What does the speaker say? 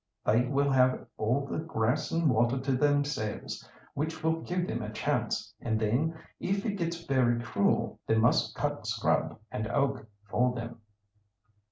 "They will have all the grass and water to themselves, which will give them a chance, and then, if it gets very cruel, they must cut scrub and oak for them."